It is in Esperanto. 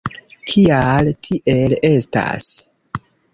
Kial, tiel estas?